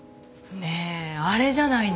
ねえあれじゃないの？